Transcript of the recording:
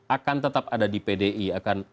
akan tetap ada di pdi akan